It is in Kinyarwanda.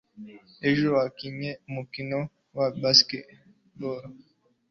ejo wakinnye umukino wa baseball